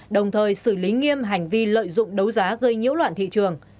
đồng thời xử lý nghiêm hành vi lợi dụng đấu giá gây nhiễu loạn thị trường